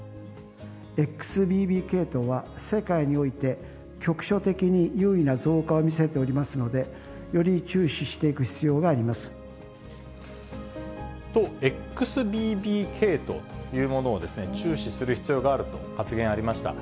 ＸＢＢ系統は、世界において、局所的に優位な増加を見せておりますので、より注視していく必要と、ＸＢＢ系統というものを注視する必要があると発言ありました。